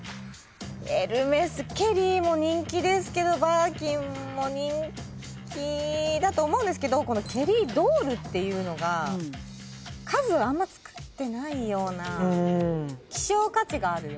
エルメスケリーも人気ですけどバーキンも人気だと思うんですけどこのケリードールっていうのが数あんま作ってないような希少価値があるような。